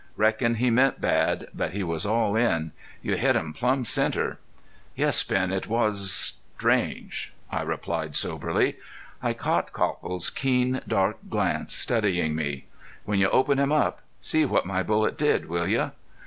Reckon he meant bad, but he was all in. You hit him plumb center." "Yes, Ben, it was strange," I replied, soberly. I caught Copple's keen dark glance studying me. "When you open him up see what my bullet did, will you?"